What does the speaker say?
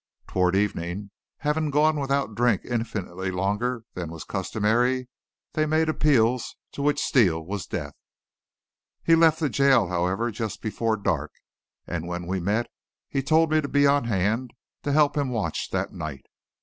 Toward evening, having gone without drink infinitely longer than was customary, they made appeals, to which Steele was deaf. He left the jail, however, just before dark, and when we met he told me to be on hand to help him watch that night.